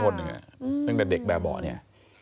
ทุกคนอย่างนี้ตั้งแต่เด็กแบบบ่อย่างนี้